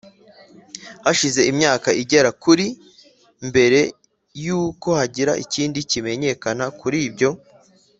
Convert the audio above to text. Hashize imyaka igera kuri mbere y uko hagira ikindi kimenyekana kuri ibyo